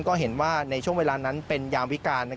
ก็เห็นว่าในช่วงเวลานั้นเป็นยามวิการ